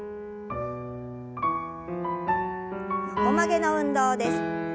横曲げの運動です。